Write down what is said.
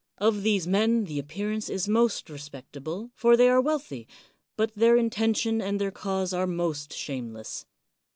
Of these men the appearance is most re spectable, for they are wealthy, but their inten tion and their cause are most shameless.